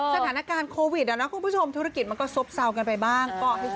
สถานการณ์โควิดคุณผู้ชมธุรกิจมันก็ซบเซากันไปบ้าง